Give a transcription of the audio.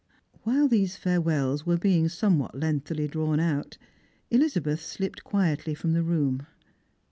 While these farewells were being somewhat lengthily drawn out, Elizabeth slipped quietly from the room.